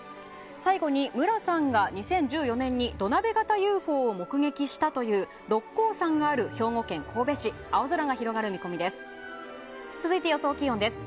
最後に武良さんが２０１４年に土鍋型ＵＦＯを目撃したという六甲山がある兵庫県神戸市青空が広がる見込みです。